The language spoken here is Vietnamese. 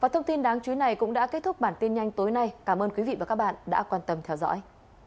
thông tin đáng chú ý này cũng đã kết thúc bản tin nhanh tối nay cảm ơn quý vị và các bạn đã quan tâm theo dõi